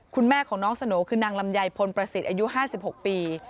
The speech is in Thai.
คุณแม่ของน้องสโหน่คือนางลำไยพลประสิทธิ์อายุ๕๖ปี